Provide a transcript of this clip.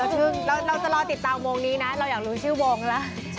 ซึ่งเราจะรอติดตามวงนี้นะเราอยากรู้ชื่อวงแล้ว